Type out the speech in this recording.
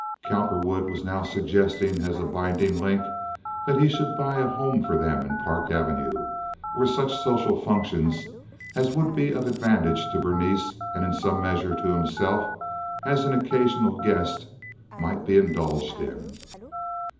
Cowperwood was now suggesting as a binding link that he should buy a home for them in Park Avenue, where such social functions as would be of advantage to Berenice and in some measure to himself as an occasional guest might be indulged in.